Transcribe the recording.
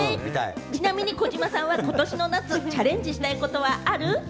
ちなみに児嶋さんは、今年の夏チャレンジしたいことはある？